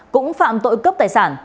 cũng phạm tội cướp tài sản